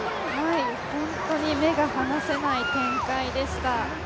本当に目が離せない展開でした。